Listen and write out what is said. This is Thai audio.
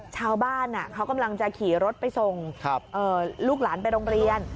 ชาวบ้านเขากำลังจะขี่รถไปส่งลูกหลานไปโรงเรียน